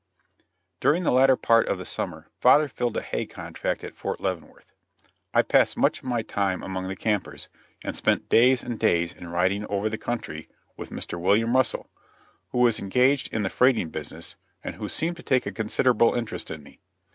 During the latter part of the summer father filled a hay contract at Fort Leavenworth. I passed much of my time among the campers, and spent days and days in riding over the country with Mr. William Russell, who was engaged in the freighting business and who seemed to take a considerable interest in me.